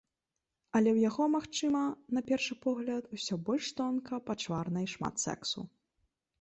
Але ў яго, магчыма, на першы погляд, усё больш тонка, пачварна і шмат сэксу.